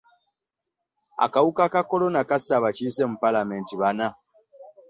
Akawuka ka kolona kasse abakiise mu paalamenti bana.